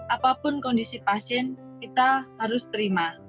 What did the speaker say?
apapun kondisi pasien kita harus terima